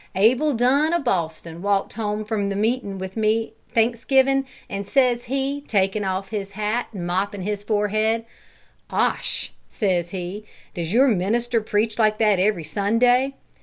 Abel Dunn o' Boston walked home from meetin' with me Thanksgivin', an', says he, takin' off his hat an' moppin' his forehead, 'Osh,' says he, 'does your minister preach like that every Sunday?'